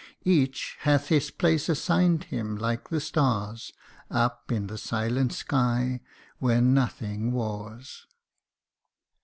Each hath his place assign'd him like the stars Up in the silent sky, where nothing wars.